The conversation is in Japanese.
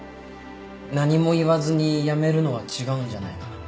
何も言わずに辞めるのは違うんじゃないかな。